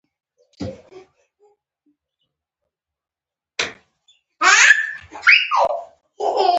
ازادي راډیو د اطلاعاتی تکنالوژي په اړه د خلکو پوهاوی زیات کړی.